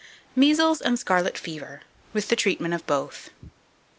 MEASLES AND SCARLET FEVER, WITH THE TREATMENT OF BOTH.